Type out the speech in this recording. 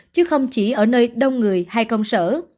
chứ không chỉ ở nơi đông người hay công sở